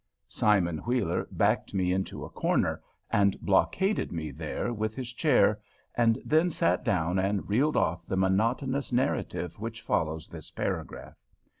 Simon Wheeler backed me into a corner and blockaded me there with his chair, and then sat down and reeled off the monotonous narrative which follows this paragraph.